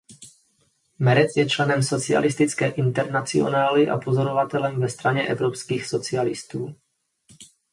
Merec je členem Socialistické internacionály a pozorovatelem ve Straně evropských socialistů.